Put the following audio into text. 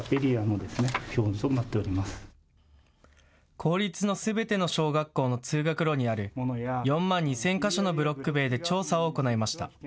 公立のすべての小学校の通学路にある４万２０００か所のブロック塀で調査を行いました。